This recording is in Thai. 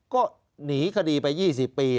ก็หนีคดีไป๒๐ปี